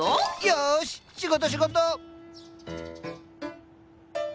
よし仕事仕事！